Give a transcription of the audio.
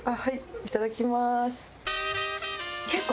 いただきます。